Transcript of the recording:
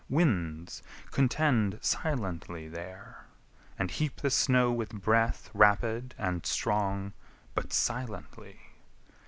Winds contend Silently there, and heap the snow with breath Rapid and strong, but silently!